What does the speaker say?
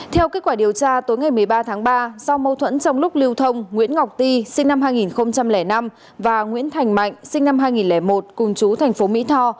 theo kết quả điều tra tối ngày một mươi ba tháng ba do mâu thuẫn trong lúc lưu thông nguyễn ngọc ti sinh năm hai nghìn năm và nguyễn thành mạnh sinh năm hai nghìn một cùng chú thành phố mỹ tho